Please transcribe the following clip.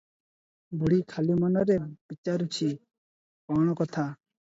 ବୁଢୀ ଖାଲି ମନରେ ବିଚାରୁଛି, କଥା କଣ?